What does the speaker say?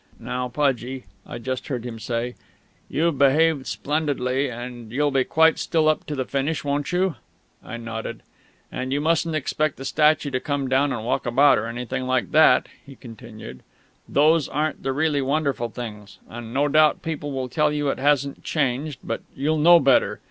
"Now, Pudgie," I just heard him say, "you've behaved splendidly, and you'll be quite still up to the finish, won't you?" I nodded. "And you mustn't expect the statue to come down and walk about, or anything like that," he continued. "Those aren't the really wonderful things. And no doubt people will tell you it hasn't changed; but you'll know better!